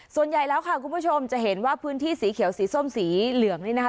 ส่วนใหญ่แล้วค่ะคุณผู้ชมจะเห็นว่าพื้นที่สีเขียวสีส้มสีเหลืองนี่นะคะ